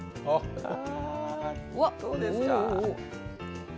あどうですか？